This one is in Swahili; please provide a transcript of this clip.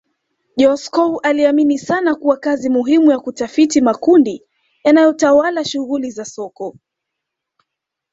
Joskow aliamini sana kuwa kazi muhimu ya kutafiti makundi yanayotawala shughuli za soko